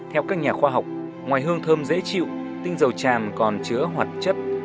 theo các nhà khoa học ngoài hương thơm dễ chịu tinh dầu tràn còn chứa hoạt chất